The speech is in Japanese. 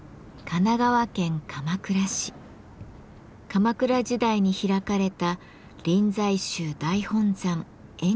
鎌倉時代に開かれた臨済宗大本山円覚寺です。